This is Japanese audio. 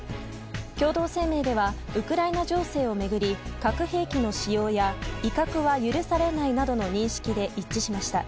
共同声明ではウクライナ情勢を巡り核兵器の使用や威嚇は許されないなどの認識で一致しました。